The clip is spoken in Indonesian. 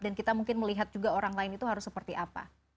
dan kita mungkin melihat juga orang lain itu harus seperti apa